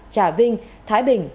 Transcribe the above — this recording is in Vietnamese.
trà vinh thái bình